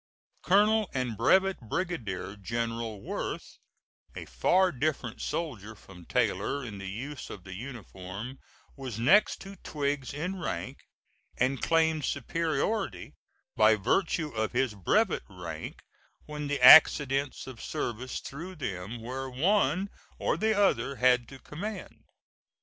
Colonel and Brevet Brigadier General Worth, a far different soldier from Taylor in the use of the uniform, was next to Twiggs in rank, and claimed superiority by virtue of his brevet rank when the accidents of service threw them where one or the other had to command.